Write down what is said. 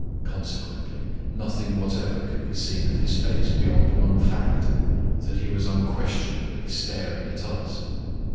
Consequently, nothing whatever could be seen of his face beyond one fact, that he was unquestionably staring at us.